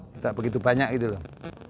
tidak begitu banyak gitu loh